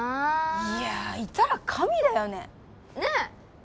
いやいたら神だよねねえ